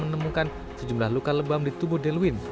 menemukan sejumlah luka lebam di tubuh delwin